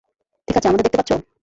ঠিক আছে, আমাদের দেখতে পাচ্ছ?